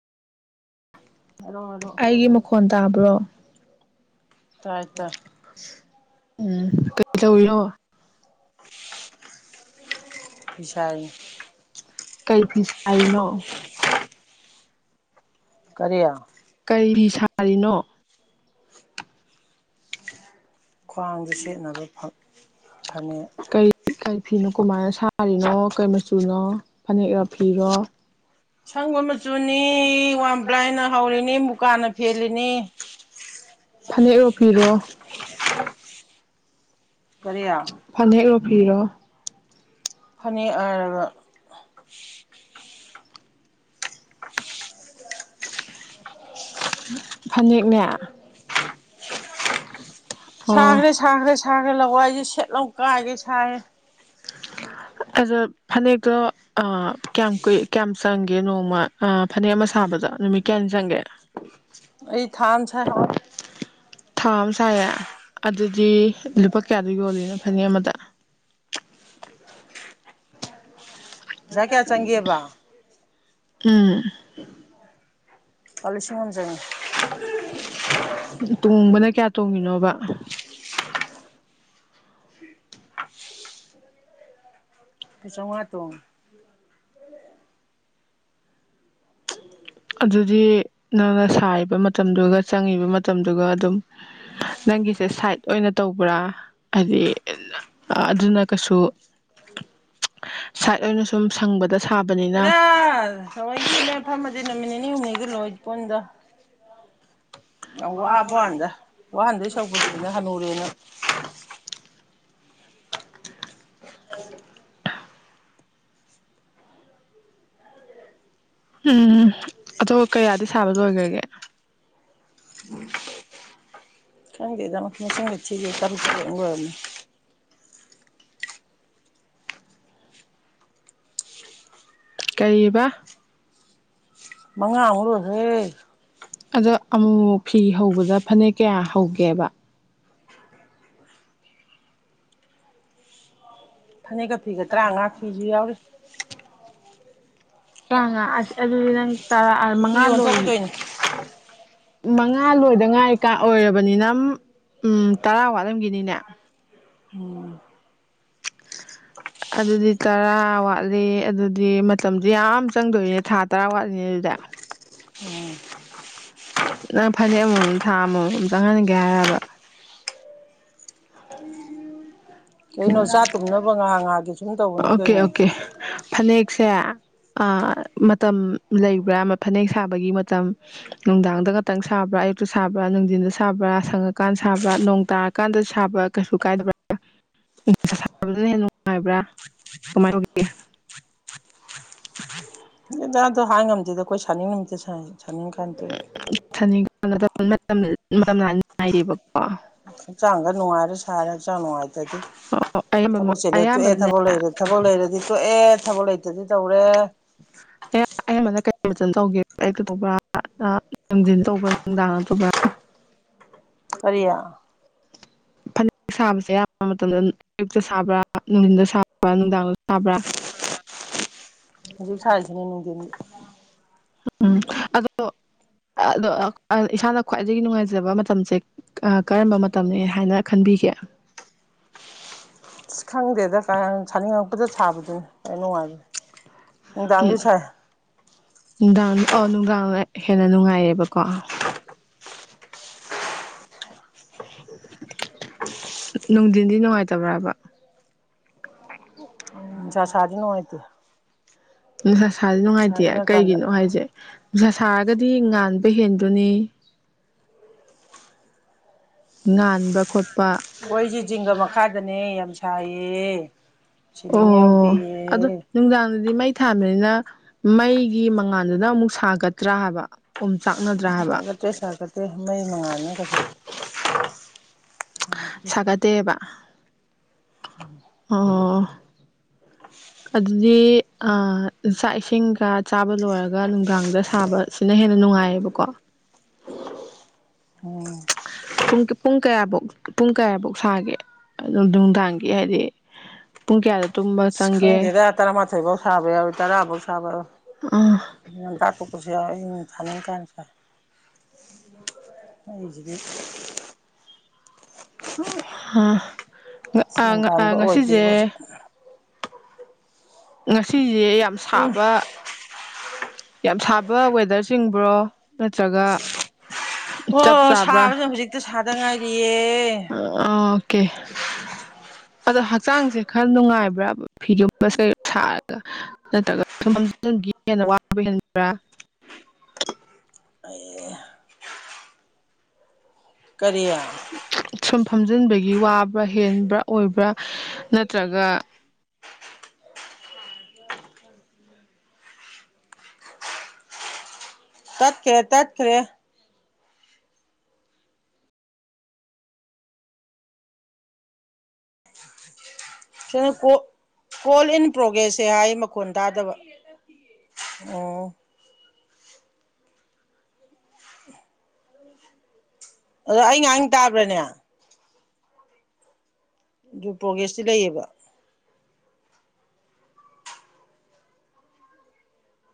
ꯍꯥꯏꯔꯛꯑꯣ ꯍꯥꯏꯔꯛꯑꯣ ꯑꯩꯒꯤ ꯃꯈꯣꯟ ꯇꯥꯕ꯭ꯔꯣ ꯇꯥꯏ ꯇꯥꯏ ꯑ ꯎꯝ ꯀꯩ ꯇꯧꯔꯤꯅꯣ ꯁ ꯀꯩ ꯐꯤꯁꯥꯏꯅꯣ ꯀꯔꯤ ꯀꯔꯤ ꯐꯤꯁꯥꯔꯤꯅꯣ ꯈ꯭ꯋꯥꯡꯗ ꯁꯦꯠꯅꯕ ꯐꯅꯦꯛ ꯀꯔꯤ ꯀꯔꯤ ꯐꯤꯅꯣ ꯀꯃꯥꯏꯅ ꯁꯥꯔꯤꯅꯣ ꯀꯔꯤ ꯃꯆꯨꯅꯣ ꯐꯅꯦꯛ ꯔꯥ ꯐꯤꯔꯣ ꯑꯁꯪꯕ ꯃꯆꯨ ꯆꯨꯅꯤ ꯋꯥ ꯄ꯭ꯂꯥꯏꯅ ꯍꯧꯔꯤꯅꯤ ꯃꯨꯀꯥꯟꯅ ꯐꯦꯜꯂꯤꯅꯤ ꯐꯅꯦꯛꯔꯣ ꯐꯤꯔꯣ ꯀꯔꯤ ꯐꯅꯦꯛ ꯔꯣ ꯐꯤꯔꯣ ꯐꯅꯦꯛ ꯍꯥꯏꯔꯒ ꯐꯅꯦꯛꯅꯦ ꯑꯣ ꯁꯥꯈ꯭ꯔꯦ ꯁꯥꯈ꯭ꯔꯦ ꯁꯥꯈ꯭ꯔꯦ ꯂꯋꯥꯏꯁꯦ ꯁꯦꯠ ꯂꯥꯎ ꯀꯥꯏꯒꯩ ꯁꯥꯏꯌꯦ ꯑꯗꯣ ꯐꯅꯦꯛꯇꯣ ꯑ ꯀꯌꯥꯝ ꯀꯨꯏ ꯀꯌꯥꯝ ꯆꯪꯒꯦ ꯅꯣꯡꯃ ꯐꯅꯦꯛ ꯑꯃ ꯁꯥꯕꯗ ꯅꯨꯃꯤꯠ ꯀꯌꯥꯅꯤ ꯆꯪꯒꯦ ꯑꯩ ꯊꯥ ꯑꯃꯥ ꯁꯥꯏ ꯊꯥ ꯑꯃ ꯁꯥꯏꯌꯦ ꯑꯗꯨꯗꯤ ꯂꯨꯄꯥ ꯀꯌꯥꯗ ꯌꯣꯜꯂꯤꯅꯣ ꯐꯅꯦꯛ ꯑꯃꯗ ꯄꯩꯁꯥ ꯀꯌꯥ ꯆꯪꯒꯦꯕ ꯎꯝ ꯑꯂꯤꯁꯤꯡ ꯑꯍꯨꯝ ꯇꯨꯡꯕꯅ ꯀꯌꯥ ꯇꯣꯡꯉꯤꯅꯣꯕ ꯄꯥ ꯆꯉꯥ ꯇꯣꯡꯉꯦ ꯑꯗꯨꯗꯤ ꯅꯪꯅ ꯁꯥꯔꯤꯕ ꯃꯇꯝꯗꯨꯒ ꯆꯪꯉꯤꯕ ꯃꯇꯝꯗꯨꯒ ꯑꯗꯨꯝ ꯅꯪꯒꯤꯁꯦ ꯁꯥꯏꯠ ꯑꯣꯏꯅ ꯇꯧꯕ꯭ꯔꯥ ꯍꯥꯏꯗꯤ ꯑꯗꯨꯅ ꯀꯩꯁꯨ ꯁꯥꯏꯠ ꯑꯣꯏꯅ ꯁꯨꯝ ꯁꯪꯕꯗ ꯁꯥꯕꯅꯤꯅ ꯍꯦꯔꯥ ꯊꯧꯋꯣꯏꯀꯤꯅꯦ ꯐꯝꯃꯗꯤ ꯅꯨꯃꯤꯠ ꯅꯤꯅꯤ ꯍꯨꯝꯅꯤꯗ ꯂꯣꯏꯄꯣꯠꯅꯤꯗ [inaudible] ꯌꯥꯝ ꯋꯥꯕ ꯋꯥꯟꯗ ꯋꯥꯍꯟꯗꯩ ꯁꯧꯄꯨꯗꯤ ꯍꯅꯨꯔꯦꯅ [inaudible] ꯎꯝ ꯑꯆꯣ ꯀꯌꯥꯗꯤ ꯁꯥꯕ ꯂꯣꯏꯈ꯭ꯔꯒꯦ ꯀꯪꯗꯦꯗ ꯃꯆꯪꯕꯨ ꯊꯤꯒꯦ ꯇꯔꯨꯛꯂ ꯀꯩꯅꯣ ꯂꯣꯏꯔꯝꯃꯅꯤ ꯀꯩꯕ ꯃꯉꯥ ꯑꯃꯨꯛ ꯂꯣꯏꯈ꯭ꯔꯦ ꯑꯗ ꯑꯃꯨ ꯃꯨꯛ ꯐꯤ ꯍꯧꯕꯗ ꯐꯅꯦꯛ ꯀꯌꯥ ꯍꯧꯒꯦꯕ ꯐꯅꯦꯛꯀ ꯐꯤꯒ ꯇꯔꯥꯃꯉꯥ ꯐꯤꯁꯨ ꯌꯥꯎꯔꯤ ꯇ꯭ꯔꯥꯉꯥ ꯑꯁ ꯑꯗꯨ ꯅꯪ ꯇꯔꯥ ꯑ ꯐꯤ ꯃꯉꯥ ꯂꯣꯏꯔꯤ ꯌꯣꯟꯊꯣꯛꯀꯗꯣꯏꯅꯤ ꯃꯉꯥ ꯂꯣꯏꯗꯉꯥꯏ ꯀꯥꯟ ꯑꯣꯏꯔꯕꯅꯤꯅ ꯎꯝ ꯇꯔꯥ ꯋꯥꯠꯂꯝꯒꯤꯅꯤꯅꯦ ꯎꯝ ꯑꯗꯨꯗꯤ ꯇꯔꯥ ꯋꯥꯠꯂꯤ ꯑꯗꯨꯗꯤ ꯃꯇꯝꯗꯤ ꯌꯥꯝ ꯆꯪꯗꯣꯔꯤꯅꯦ ꯊꯥ ꯇꯔꯥ ꯋꯥꯠꯂꯤꯅꯦ ꯑꯗꯨꯗꯤ ꯅꯪ ꯐꯅꯦꯛ ꯑꯃꯃꯝ ꯊꯥ ꯑꯃꯃꯝ ꯆꯪꯍꯟꯒꯦ ꯍꯥꯏꯔꯕ [inaudible] ꯀꯩꯅꯣ ꯆꯥ ꯇꯨꯝꯅꯕ ꯉꯥꯍꯥꯛ ꯉꯥꯍꯥꯛꯀꯤ ꯁꯨꯝ ꯇꯧꯕꯅꯤ ꯑꯣꯀꯦ ꯀꯩꯅꯣ ꯑꯣꯀꯦ ꯐꯅꯦꯛꯁꯦ ꯑ ꯃꯇꯝ ꯂꯩꯕ꯭ꯔꯥ ꯑꯃ ꯐꯅꯦꯛ ꯁꯥꯕꯒꯤ ꯃꯇꯝ ꯅꯨꯡꯗꯥꯡꯗ ꯈꯛꯇꯪ ꯁꯥꯕ꯭ꯔꯥ ꯑꯌꯨꯛꯇ ꯁꯥꯕ꯭ꯔꯥ ꯅꯨꯡꯊꯤꯟꯗ ꯁꯥꯕ꯭ꯔꯥ ꯁꯪꯉꯀꯥꯟꯗ ꯁꯥꯕ꯭ꯔꯥ ꯅꯣꯡ ꯇꯥꯔꯀꯥꯟꯗ ꯁꯥꯕ ꯀꯩꯁꯨ ꯀꯥꯏꯗꯕ꯭ꯔꯥ ꯅꯨꯡꯁꯥꯕꯗꯅ ꯍꯦꯟꯅ ꯅꯨꯡꯉꯥꯏꯕ꯭ꯔꯥ ꯀꯃꯥꯏ ꯇꯧꯒꯦ ꯖꯗꯣ ꯍꯥꯏ ꯉꯝꯗꯦꯗ ꯑꯩꯈꯣꯏ ꯁꯥꯅꯤꯡ ꯅꯨꯃꯤꯠꯇ ꯁꯥꯏ ꯁꯅꯤꯡ ꯀꯥꯟꯗ ꯁꯥꯅꯤꯡ [unintelligible] ꯆꯥꯡꯒ ꯅꯨꯡꯉꯥꯏꯔꯁꯨ ꯁꯔꯦ ꯆꯅꯅꯨꯡꯉꯥꯏ ꯇꯗꯤ ꯑꯌꯥꯝꯕ ꯊꯕꯛꯁꯦꯅ ꯇꯣꯛꯑꯦ ꯑꯌꯥꯝꯕꯅꯅꯦ ꯊꯕꯛ ꯂꯩꯔꯦ ꯊꯕꯛ ꯂꯩꯔꯗꯤ ꯇꯣꯛꯑꯦ ꯊꯕꯛ ꯂꯩꯇꯗꯤ ꯇꯧꯔꯦ ꯑꯌꯥ ꯑꯌꯥꯝꯕꯅ ꯀꯩ ꯇꯧꯒꯦ ꯑꯩ ꯀꯩꯗꯧꯕ꯭ꯔꯥꯡꯖꯤꯟ ꯇꯧꯕ꯭ꯔꯥ ꯅꯨꯡꯗꯥꯡ ꯅꯠꯇꯧꯕ꯭ꯔꯥ ꯀꯔꯤ ꯍꯗꯦꯛ ꯁꯥꯕꯁꯦ ꯑꯌꯥꯝꯕ ꯃꯇꯝꯗ ꯑꯌꯨꯛꯇ ꯁꯥꯕ꯭ꯔꯥ ꯅꯨꯡꯊꯤꯟꯗ ꯁꯥꯕ꯭ꯔꯥ ꯅꯨꯡꯗꯥꯡꯗ ꯁꯥꯕ꯭ꯔꯥ ꯍꯧꯖꯤ ꯁꯥꯏꯁꯅꯦꯅꯅꯨꯡ ꯀꯗꯤ ꯎ ꯎꯝ ꯑꯗꯣ ꯑꯗꯣ ꯏꯁꯥꯅ ꯈ꯭ꯋꯥꯏꯗꯒꯤ ꯅꯨꯡꯉꯥꯏꯖꯕ ꯃꯇꯝꯁꯦ ꯀꯔꯝꯕ ꯃꯇꯝꯅꯤ ꯍꯥꯏꯅ ꯈꯟꯕꯤꯒꯦ ꯑ ꯈꯪꯗꯦꯗ ꯀ ꯁꯥꯅꯤꯡꯉꯛꯄꯗ ꯁꯥꯕꯗꯨꯅꯤ ꯍ ꯅꯨꯡꯉꯥꯏꯕꯅꯤ ꯗꯥꯡꯒꯁ ꯅꯨꯡꯗꯥꯡ ꯑꯣ ꯅꯨꯡꯗꯥꯡꯗ ꯍꯦꯟꯅ ꯅꯨꯡꯉꯥꯏꯔꯦꯕꯀꯣ ꯅꯨꯡꯊꯤꯟꯗꯤ ꯅꯨꯡꯉꯥꯏꯇꯕ꯭ꯔꯥꯕ ꯅꯨꯡꯁꯥ ꯁꯥꯔꯗꯤ ꯅꯨꯡꯉꯥꯏꯇꯦ ꯎ ꯏꯁꯥꯁꯦ ꯅꯨꯡꯁꯥ ꯅꯨꯡꯉꯥꯏꯇꯦ ꯏꯪꯉꯀꯥꯟꯗ ꯀꯩꯒꯤꯅꯣ ꯍꯥꯏꯁꯦ ꯅꯨꯡꯁꯥ ꯁꯥꯔꯒꯗꯤ ꯉꯥꯟꯕ ꯍꯦꯟꯗꯣꯏꯅꯤ ꯉꯕ ꯈꯣꯠꯇ ꯑꯩꯁꯦ ꯤꯡꯒ ꯃꯈꯥꯗꯅꯦ ꯌꯥꯝ ꯁꯥꯏꯌꯦ ꯁꯤꯂꯤꯡ ꯑꯣ ꯑꯗꯣ ꯌꯥꯎꯗꯦꯌꯦ ꯅꯨꯡꯗꯥꯡꯗꯗꯤ ꯃꯩ ꯊꯥꯟꯕꯅꯤꯅ ꯃꯩꯒꯤ ꯃꯉꯥꯜꯗꯨꯅ ꯑꯃꯨꯛ ꯁꯥꯒꯗ꯭ꯔꯥ ꯍꯥꯏꯕ ꯎꯝꯆꯥꯛ ꯑ ꯄꯦꯁꯥ ꯀꯠꯇꯦ ꯃꯩ ꯃꯉꯥꯅꯤ ꯀ ꯁꯥꯒꯗꯦꯕ ꯎꯝ ꯑ ꯑꯗꯨꯗꯤ ꯆꯥꯛ ꯏꯁꯤꯡꯒ ꯆꯥꯕ ꯂꯣꯏꯔꯒ ꯅꯨꯡꯗꯥꯡꯗ ꯁꯥꯕꯁꯤꯅ ꯍꯦꯟꯅ ꯅꯨꯡꯉꯥꯏꯌꯦꯕꯀꯣ ꯨꯡ ꯄꯨꯡ ꯀꯌꯥꯐꯧ ꯄꯨꯡ ꯀꯌꯥꯐꯧ ꯁꯥꯒꯦ ꯑꯗꯨ ꯅꯨꯡꯗꯥꯡꯒꯤ ꯍꯥꯏꯗꯤ ꯄꯨꯡ ꯀꯌꯥꯗ ꯇꯨꯝꯕ ꯆꯪꯒꯦ ꯁꯤꯈꯪꯗꯦꯔꯥ ꯇꯔꯥ ꯃꯥꯥꯊꯣꯏꯕꯥꯎ ꯁꯕ ꯌꯥ ꯇꯔꯥꯕꯧ ꯁꯕ ꯑꯥ ꯇꯥꯛ ꯄꯨꯁꯨ ꯊꯥꯅꯤꯡꯅꯤꯡ ꯀꯥꯏꯅꯁ ꯑꯩꯁꯤꯗꯤ ꯍꯥ ꯑꯥ ꯁꯦꯟ ꯑꯥ ꯇꯥꯟꯕ ꯉꯁꯤꯁꯦ ꯑꯣꯏꯗꯦꯕ ꯍꯧꯖꯤꯛ ꯉꯁꯤꯁꯦ ꯌꯥꯝ ꯁꯥꯕ ꯌꯥꯝ ꯁꯥꯕ ꯋꯦꯗꯔ ꯆꯤꯡꯕ꯭ꯔꯣ ꯅꯠꯇ꯭ꯔꯒ ꯆꯞ ꯑꯣ ꯆꯥꯕ꯭ꯔꯥ ꯁꯥꯕꯁꯦ ꯍꯧꯖꯤꯛꯇ ꯁꯥꯗ ꯉꯥꯏꯔꯤꯌꯦ ꯀꯦ ꯑꯗꯣ ꯍꯛꯆꯥꯡꯁꯦ ꯈꯔ ꯅꯨꯡꯉꯥꯏꯕ꯭ꯔꯥꯕ ꯐꯤꯒꯨꯝꯕꯁ ꯁꯥꯔꯒ ꯅꯠꯇ꯭ꯔꯒ ꯍꯦꯟꯅ ꯋꯥꯕ ꯍꯦꯟꯕ꯭ꯔꯥ ꯑꯩ ꯀꯔꯤꯌꯥ ꯐꯣꯝꯖꯤꯟꯕꯒꯤ ꯋꯥꯕ꯭ꯔꯥ ꯍꯦꯟꯕ꯭ꯔꯥ ꯑꯣꯏꯕ꯭ꯔꯥ ꯅꯠꯇ꯭ꯔꯒ ꯇꯠꯈꯔꯦ ꯇꯠꯈꯔꯦ ꯀꯣꯜ ꯏꯟ ꯄ꯭ꯔꯣꯒ꯭ꯔꯦꯁꯁꯦ ꯍꯥꯏ ꯃꯈꯣꯟ ꯇꯥꯗꯕ ꯑꯣ ꯑꯗ ꯑꯩ ꯉꯥꯡꯉꯤ ꯇꯥꯕ꯭ꯔꯅꯦ ꯑꯗꯨ ꯄ꯭ꯔꯣꯒ꯭ꯔꯦꯁꯇꯤ ꯂꯩꯌꯦꯕ